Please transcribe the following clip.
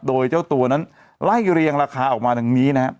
โดยเจ้าตัวนั้นไล่เรียงราคาออกมาดังนี้นะฮะ